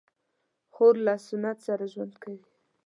خور له سنت سره ژوند کوي.